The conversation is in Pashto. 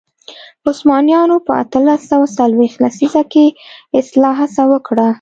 عثمانیانو په اتلس سوه څلوېښت لسیزه کې اصلاح هڅه وکړه.